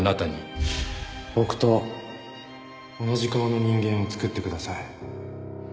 僕と同じ顔の人間を作ってください。